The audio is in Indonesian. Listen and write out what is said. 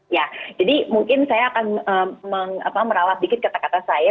ya jadi mungkin saya akan merawat dikit kata kata saya